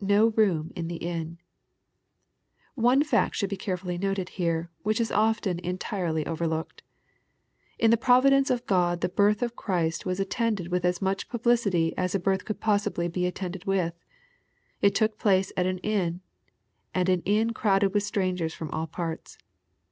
[No room in the Inn.] One fact should be carefully noted here, which is often entirely overlooked. In the providence of God the birth of Christ was attended with as much publicity as a birth could possibly be attended with. It took place at an inn, and an inn crowded with strangers from all parts.